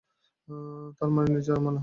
তারমানে নির্জারা মানে হলো অমরত্ব।